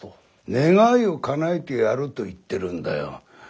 願いをかなえてやると言ってるんだよ。